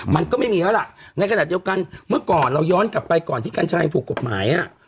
มันก็ไม่มีแล้วล่ะในขณะเดียวกันเมื่อก่อนเราย้อนกลับไปก่อนที่กัญชัยถูกกฎหมาย